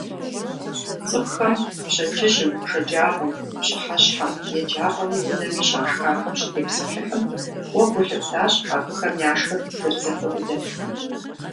ЦӀыкӀухэм пщэдджыжьым, шэджагъуэм, пщыхьэщхьэм еджапӀэми унэми щашхахэм щытепсэлъыхьым, уэ гу лъыптащ, абыхэм яшхыр зэрызэхуэмыдэм.